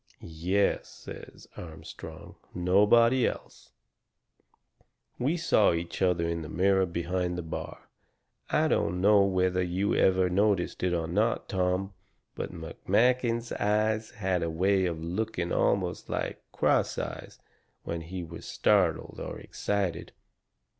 "Yes," says Armstrong, "nobody else. We saw each other in the mirror behind the bar. I don't know whether you ever noticed it or not, Tom, but McMakin's eyes had a way of looking almost like cross eyes when he was startled or excited.